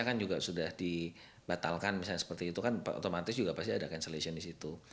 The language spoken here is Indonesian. kan juga sudah dibatalkan misalnya seperti itu kan otomatis juga pasti ada cancellation di situ